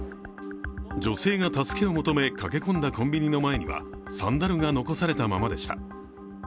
女性が助けを求め、駆け込んだコンビニの前にはサンダルが残されたままでした。